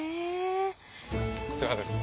こちらです。